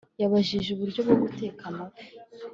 Yabajije uburyo bwo guteka amafi